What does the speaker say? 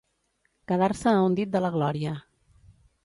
Quedar-se a un dit de la glòria.